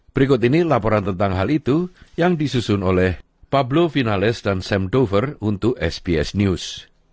berikut ini laporan tentang hal itu yang disusun oleh pablo vinales dan sam dover untuk sbs news